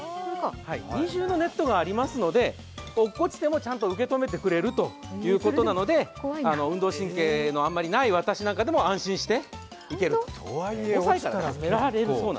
二重のネットがありますので落ちてもちゃんと受け止めてくれるということで、運動神経のあんまりない私なんかでも安心して行ける。